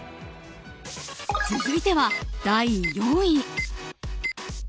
続いては、第４位。